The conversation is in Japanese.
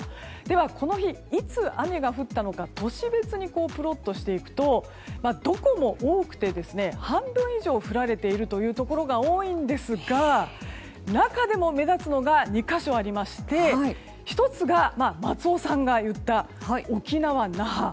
では、この日いつ雨が降ったのか都市別にプロットしていくとどこも多くて半分以上、降られているところが多いですが中でも目立つのが２か所ありまして１つが松尾さんが言った沖縄・那覇。